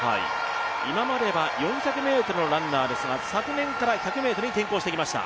今までは４００ｍのランナーですが、昨年から１００ｍに転向してきました。